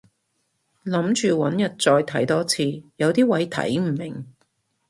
諗住搵日再睇多次，有啲位睇唔明